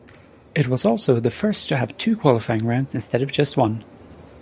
It was also the first to have two qualifying rounds instead of just one.